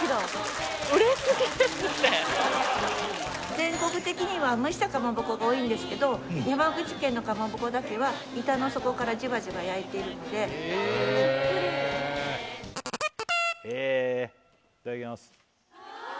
全国的には蒸したかまぼこが多いんですけど山口県のかまぼこだけは板の底からじわじわ焼いているのでへええいただきます